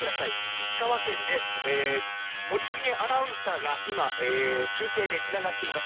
石川県で森重アナウンサーが中継でつながっています。